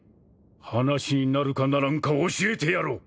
話になるかならんか教えてやろう。